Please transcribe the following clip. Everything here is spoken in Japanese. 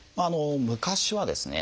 昔はですね